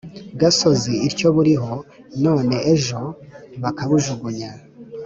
gasozi ityo buriho none ejo bakabujugunya